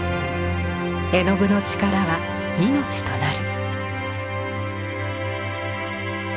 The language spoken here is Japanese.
絵の具の力は命となる。